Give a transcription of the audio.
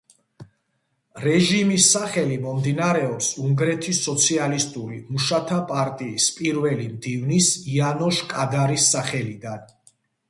რეჟიმის სახელი მომდინარეობს უნგრეთის სოციალისტური მუშათა პარტიის პირველი მდივნის იანოშ კადარის სახელიდან.